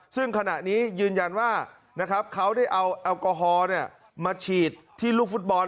ซึ่งขณะนี้ยืนยันว่าเขาได้เอาแอลกอฮอล์มาฉีดที่ลูกฟุตบอล